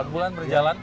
empat bulan berjalan